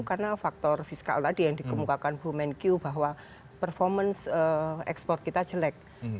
karena faktor fiskal tadi yang dikemukakan bumen q bahwa performance export kita jelek